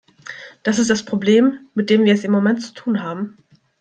Das ist das Problem, mit dem wir es im Moment zu tun haben.